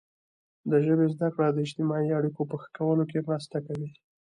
د ژبې زده کړه د اجتماعي اړیکو په ښه کولو کې مرسته کوي.